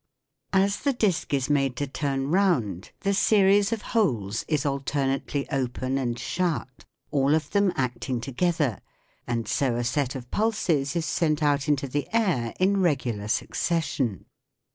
As the disc is made to turn round, the series of holes is alternately open and shut, all of them acting together, and so a set of pulses is sent out into the air in regular succession.